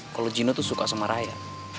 kalau gino tuh suka sama raya